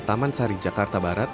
taman sari jakarta barat